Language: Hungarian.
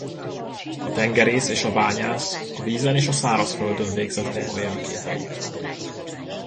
A tengerész és a bányász a vízen és a szárazföldön végzett munka jelképei.